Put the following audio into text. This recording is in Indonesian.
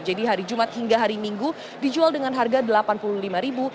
jadi hari jumat hingga hari minggu dijual dengan harga rp delapan puluh lima